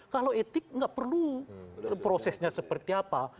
kalau etik nggak perlu prosesnya seperti apa